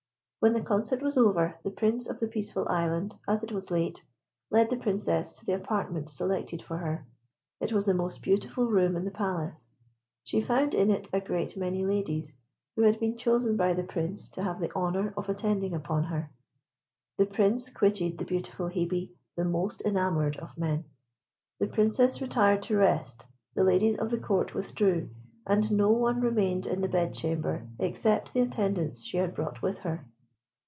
When the concert was over, the Prince of the Peaceful Island, as it was late, led the Princess to the apartment selected for her. It was the most beautiful room in the palace. She found in it a great many ladies, who had been chosen by the Prince to have the honour of attending upon her. The Prince quitted the beautiful Hebe the most enamoured of men. The Princess retired to rest, the ladies of the Court withdrew, and no one remained in the bed chamber except the attendants she had brought with her.